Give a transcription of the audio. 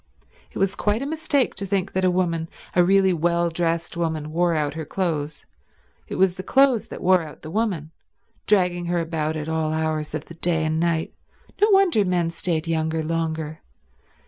It was quite a mistake to think that a woman, a really well dressed woman, wore out her clothes; it was the clothes that wore out the woman—dragging her about at all hours of the day and night. No wonder men stayed younger longer.